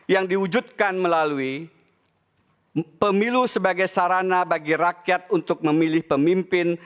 yang diwujudkan melalui pemilu sebagai sarana bagi rakyat untuk memilih pemimpin